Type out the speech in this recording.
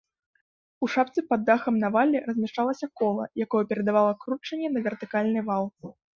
У шапцы пад дахам на вале размяшчалася кола, якое перадавала кручэнне на вертыкальны вал.